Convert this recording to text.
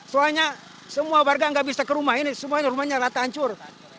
soalnya semua warga nggak bisa ke rumah ini semuanya rumahnya rata hancur